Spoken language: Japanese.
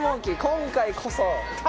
今回こそ。